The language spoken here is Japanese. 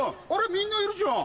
みんないるじゃん。